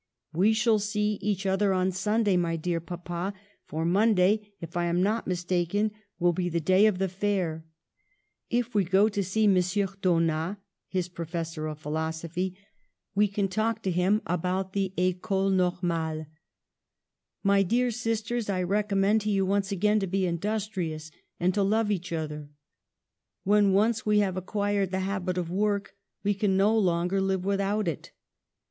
We shall see each other on Sunday, my dear papa, for Monday, if I am not mistaken, will be the day of the fair. If we go to see M. Daunas (his profes sor of philosophy) we can talk to him about the Ecole Normale. My dear sisters, I recommend to you once again to be industrious and to love each other. When once we have acquired the habit of work we can no longer live without it.